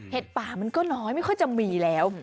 ป่ามันก็น้อยไม่ค่อยจะมีแล้ว